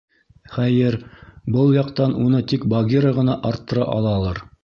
Хәйер, был яҡтан уны тик Багира ғына арттыра алалыр.